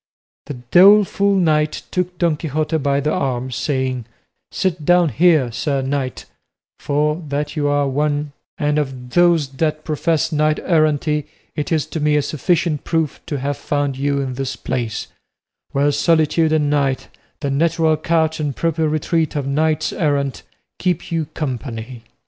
The doleful knight took Don Quixote by the arm, saying, "Sit down here, sir knight; for, that you are one, and of those that profess knight errantry, it is to me a sufficient proof to have found you in this place, where solitude and night, the natural couch and proper retreat of knights errant, keep you company."